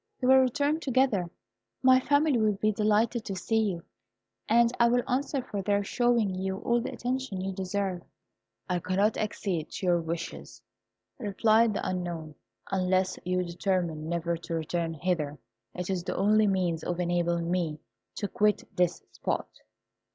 We will return together; my family will be delighted to see you, and I will answer for their showing you all the attention you deserve." "I cannot accede to your wishes," replied the Unknown, "unless you determine never to return hither. It is the only means of enabling me to quit this spot.